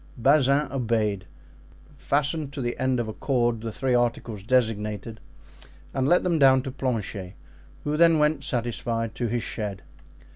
Bazin obeyed, fastened to the end of a cord the three articles designated and let them down to Planchet, who then went satisfied to his shed.